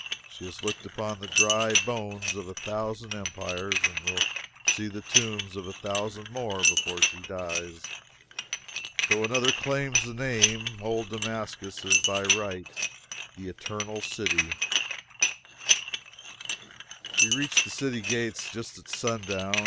She has looked upon the dry bones of a thousand empires, and will see the tombs of a thousand more before she dies. Though another claims the name, old Damascus is by right the Eternal City. We reached the city gates just at sundown.